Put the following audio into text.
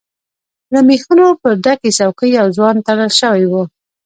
له ميخونو پر ډکې څوکی يو ځوان تړل شوی و.